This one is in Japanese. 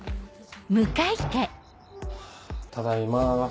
ただいま。